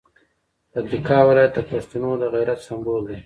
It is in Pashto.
پکتیکا ولایت د پښتنو د غیرت سمبول دی.